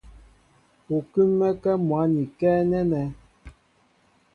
U kúm̀mɛ́kɛ́ mwǎn ikɛ́ nɛ́nɛ.